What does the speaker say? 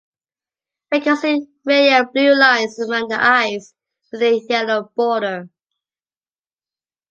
We can see radial blue lines around the eyes, with a yellow border.